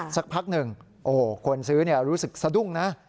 สักพักหนึ่งโอ้โหคนซื้อรู้สึกสะดุ้งนะ